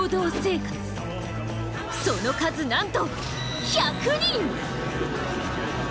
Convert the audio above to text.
その数なんと１００人！